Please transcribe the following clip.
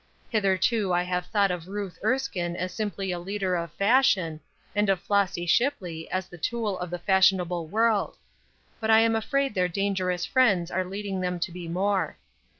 Hitherto I have thought of Ruth Erskine as simply a leader of fashion, and of Flossy Shipley as the tool of the fashionable world; but I am afraid their dangerous friends are leading them to be more.